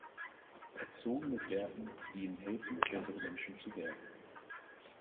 Erzogen mit Werten, die ihnen helfen, bessere Menschen zu werden.